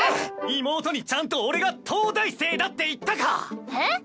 妹にちゃんと俺が東大生だって言ったか⁉えっ？